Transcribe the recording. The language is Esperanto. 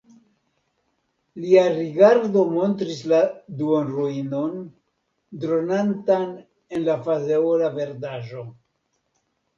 Lia rigardo montris la duonruinon, dronantan en la fazeola verdaĵo.